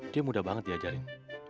dia mudah banget diajarin